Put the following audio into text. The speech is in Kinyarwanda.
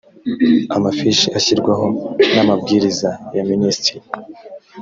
amafishi ashyirwaho n ‘amabwiriza ya minisitiri